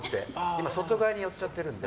今、外側に寄っちゃってるので。